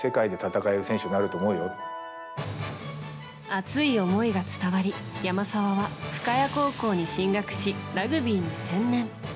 熱い思いが伝わり、山沢は深谷高校に進学しラグビーに専念。